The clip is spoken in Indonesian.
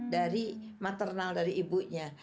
dari maternal dari ibunya